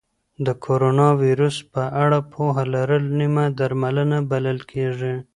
د کرونا ویروس په اړه پوهه لرل نیمه درملنه بلل کېږي.